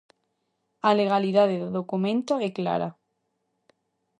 A legalidade do documento é clara.